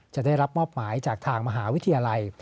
จะได้รับมอบหมายจากทางมหาวิทยาลัย